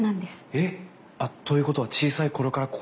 えっ？ということは小さい頃からここに？